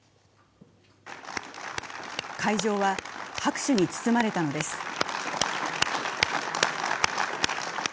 会場は拍手に包まれたのです。